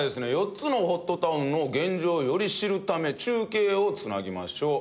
４つのホットタウンの現状をより知るため中継を繋ぎましょう。